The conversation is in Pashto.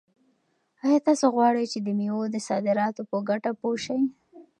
آیا تاسو غواړئ چې د مېوو د صادراتو په ګټه پوه شئ؟